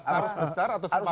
arus besar atau sempalan